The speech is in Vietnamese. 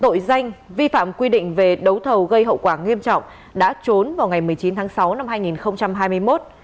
tội danh vi phạm quy định về đấu thầu gây hậu quả nghiêm trọng đã trốn vào ngày một mươi chín tháng sáu năm hai nghìn hai mươi một